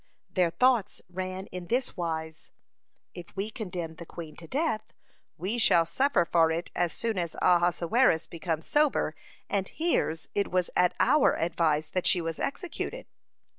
Their thoughts ran in this wise: If we condemn the queen to death, we shall suffer for it as soon as Ahasuerus becomes sober, and hears it was at our advice that she was executed.